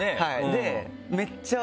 でめっちゃ「あれ？」